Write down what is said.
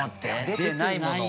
出てないもの。